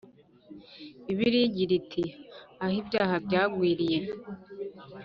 Bibiliya igira iti “aho ibyaha byagwiriye